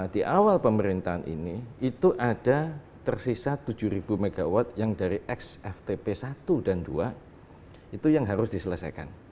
di awal pemerintahan ini itu ada tersisa tujuh mw yang dari xftp satu dan dua itu yang harus diselesaikan